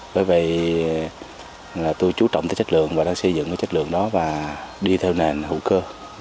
vì vậy là tôi chú trọng tới chất lượng và đang xây dựng cái chất lượng đó và đi theo nền hữu cơ